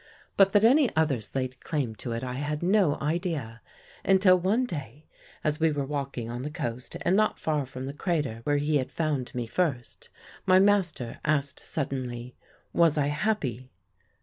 But that any others laid claim to it I had no idea, until one day as we were walking on the coast, and not far from the crater where he had found me first, my master asked suddenly, 'Was I happy?'